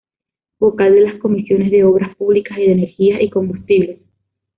Vocal de las Comisiones de Obras Públicas y de Energía y Combustibles.